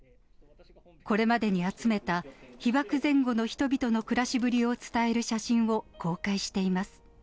これまでに集めた被爆前後の人々の暮らしぶりを伝える写真を公開しています。